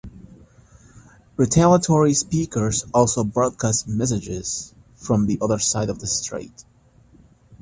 Retaliatory speakers also broadcast messages from the other side of the Strait.